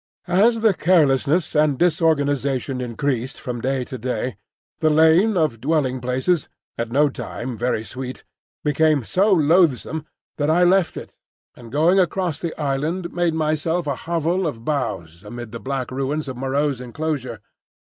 As the carelessness and disorganisation increased from day to day, the lane of dwelling places, at no time very sweet, became so loathsome that I left it, and going across the island made myself a hovel of boughs amid the black ruins of Moreau's enclosure.